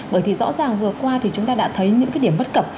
bởi thì rõ ràng vừa qua chúng ta đã thấy những điểm bất cập